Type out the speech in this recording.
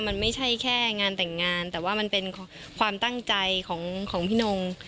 มันไม่ใช่แค่งานแต่งงานแต่ว่ามันเป็นความตั้งใจของพี่นง